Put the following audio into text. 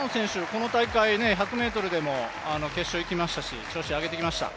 この大会１００ｍでも決勝にいきましたし調子上げてきました。